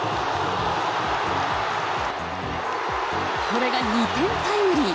これが、２点タイムリー！